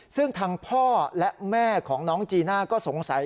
ซึ่งทางพ่อและแม่ของน้องจีน่าก็สงสัย